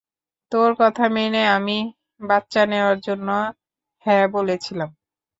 তোর কথা মেনে আমি বাচ্চা নেওয়ার জন্য হ্যাঁ বলেছিলাম।